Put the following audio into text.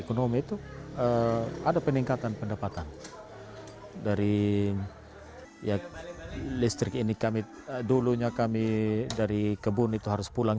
ekonomi itu ada peningkatan pendapatan dari ya listrik ini kami dulunya kami dari kebun itu harus pulang